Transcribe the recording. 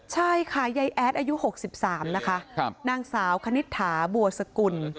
ใช่ค่ะยายแอดอายุ๖๓นะคะนางสาวคณิตถาบัวสกุล